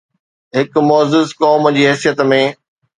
هڪ معزز قوم جي حيثيت ۾